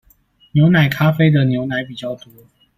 牛奶咖啡的牛奶比較多